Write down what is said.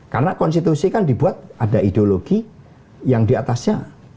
karena konstitusi kan dibuat ada ideologi yang diatasnya